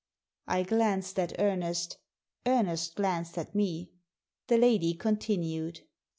I glanced at Ernest ; Ernest glanced at me. The lady continued.